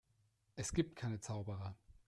Es gibt keine Zauberer.